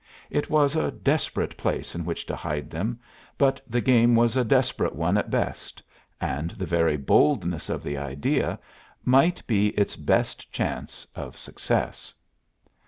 It was a desperate place in which to hide them, but the game was a desperate one at best, and the very boldness of the idea might be its best chance of success.